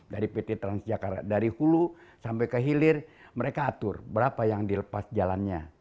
dari pt transjakarta dari hulu sampai ke hilir mereka atur berapa yang dilepas jalannya